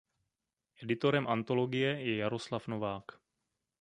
Editorem antologie je Jaroslav Novák.